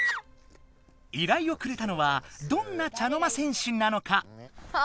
依頼をくれたのはどんな茶の間戦士なのか？